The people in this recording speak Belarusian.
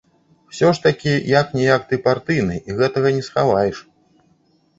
Усё ж такі як-ніяк ты партыйны і гэтага не схаваеш.